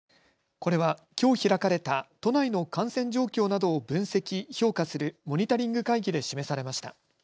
これはきょう開かれた都内の感染状況などを分析・評価するモニタリング会議で示されました。